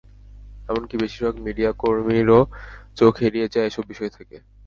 এমনকি বেশির ভাগ মিডিয়া কর্মীরও চোখ এড়িয়ে যায় এসব বিষয় থেকে।